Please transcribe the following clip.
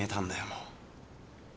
もう。